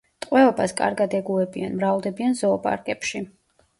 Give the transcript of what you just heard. ტყვეობას კარგად ეგუებიან, მრავლდებიან ზოოპარკებში.